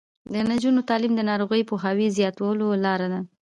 د نجونو تعلیم د ناروغیو پوهاوي زیاتولو لاره ده.